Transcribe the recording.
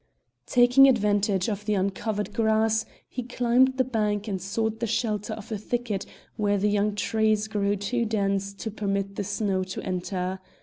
Taking advantage of the uncovered grass he climbed the bank and sought the shelter of a thicket where the young trees grew too dense to permit the snow to enter.